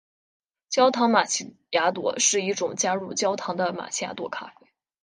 焦糖玛琪雅朵是一种加入焦糖的玛琪雅朵咖啡。